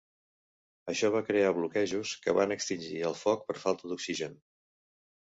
Això va crear bloquejos que van extingir el foc per falta d'oxigen.